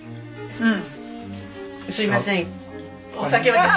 うん。